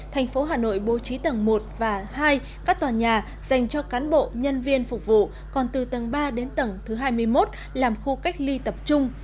thành phố hà nội bố trí tầng một và hai các tòa nhà dành cho cán bộ nhân viên phục vụ còn từ tầng ba đến tầng thứ hai mươi một làm khu cách ly tập trung